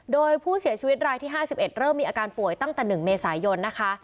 โดยผู้เสียชีวิตรายที่ห้าสิบเอ็ดเริ่มมีอาการป่วยตั้งแต่หนึ่งเมษายนนะคะ